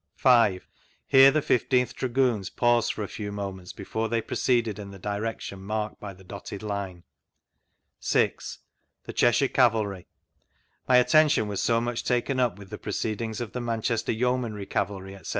5. Here the 15 th Dragoons paused for a few moments before they proceeded in the direction marked by the dotted line. 6. The Cheshire Cavalry; my attention was so much taken up with the proceedings of the Man chester Yeomanry Cavalry, etc.